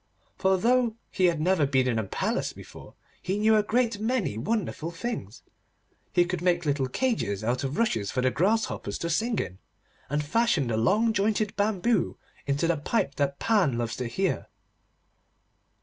For though he had never been in a palace before, he knew a great many wonderful things. He could make little cages out of rushes for the grasshoppers to sing in, and fashion the long jointed bamboo into the pipe that Pan loves to hear.